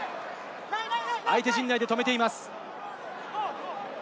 相手陣内で止めています。